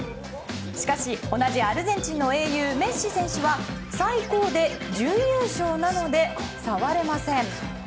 しかし同じアルゼンチンの英雄メッシ選手は最高で準優勝なので触れません。